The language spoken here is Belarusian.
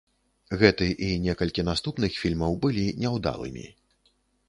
Гэты і некалькі наступных фільмаў былі няўдалымі.